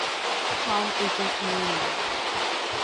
Tom isn't mourning.